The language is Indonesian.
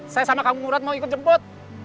saya sama kamu murat mau ikut jemput